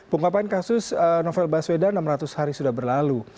pengungkapan kasus novel baswedan enam ratus hari sudah berlalu